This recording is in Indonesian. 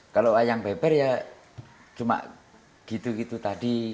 kalau wayang beber ya cuma gitu gitu tadi